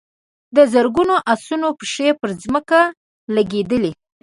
د زرګونو آسونو پښې پر ځمکه لګېدلې.